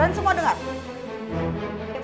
jangan semua dengar